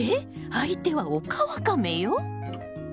相手はオカワカメよ。